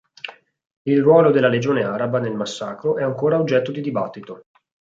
Il ruolo della Legione Araba nel massacro è ancora oggetto di dibattito.